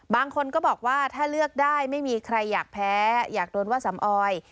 บางคนก็บอกว่าถ้าเลือกได้ไม่มีใครอยากแพ้อยากโดนว่าสำออย